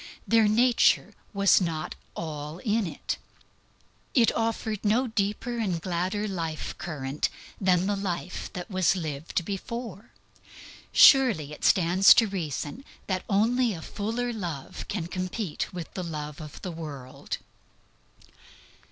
Their nature was not all in it. It offered no deeper and gladder life current than the life that was lived before. Surely it stands to reason that only a fuller love can compete with the love of the world.